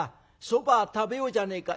そば食べようじゃねえか。